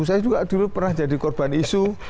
saya juga dulu pernah jadi korban isu